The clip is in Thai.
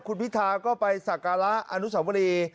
คุณพิธาก็ไปสักการะอนุสวรี